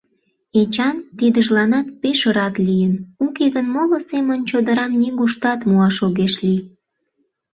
Эчан тидыжланат пеш рад лийын: уке гын, моло семын чодырам нигуштат муаш огеш лий.